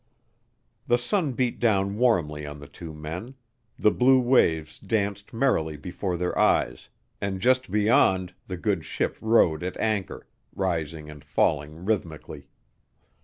The sun beat down warmly on the two men, the blue waves danced merrily before their eyes, and just beyond the good ship rode at anchor, rising and falling rhythmically.